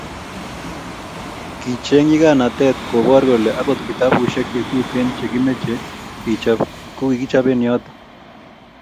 kicheng nyikanatet kobor kole akot kitabusheck chetuten chekimeche kichop kukikichope yoto